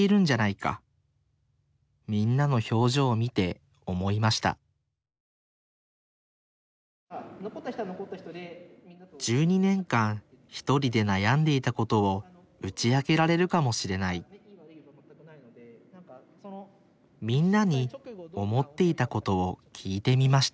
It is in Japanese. みんなの表情を見て思いました１２年間ひとりで悩んでいたことを打ち明けられるかもしれないみんなに思っていたことを聞いてみました